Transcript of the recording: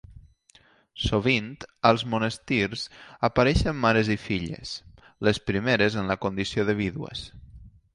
Sovint, als monestirs apareixen mares i filles, les primeres en la condició de vídues.